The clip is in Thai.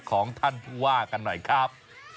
ของท่านผู้ว่ากันหน่อยครับ